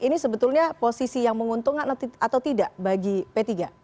ini sebetulnya posisi yang menguntungkan atau tidak bagi p tiga